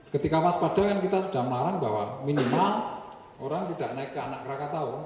ketika waspada kan kita sudah melarang bahwa minimal orang tidak naik ke anak krakatau